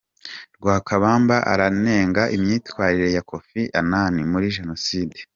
Rwakabamba aranenga imyitwarire ya Koffi Anani muri Jenoside